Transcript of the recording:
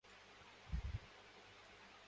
ئمہ بیگ کو تبدیلی مہنگی پڑ گئی